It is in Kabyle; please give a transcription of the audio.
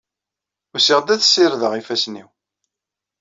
Usiɣ-d ad ssirdeɣ ifassen-iw.